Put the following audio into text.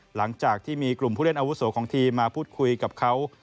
หลังจากที่มีกลุ่มผู้เล่นอาวุโสของทีมมาพูดคุยกับเขา